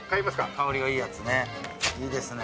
香りがいいやつね。